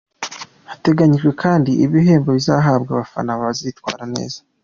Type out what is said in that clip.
Hateganyijwe kandi ibihembo bizahabwa abafana bazitwara neza.